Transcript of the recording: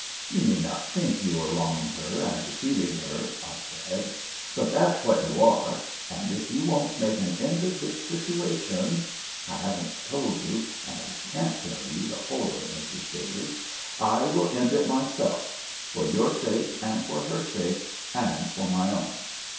You may not think you are wronging her and deceiving her,' I said, 'but that's what you are; and if you won't make an end of this situation' (I haven't told you, and I can't tell you, the whole of it, Mrs. Daly), 'I will end it myself for your sake and for her sake and for my own.'